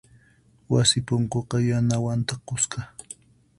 Wasi punkuqa yanawan takusqa.